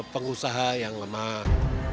pengusaha yang lemah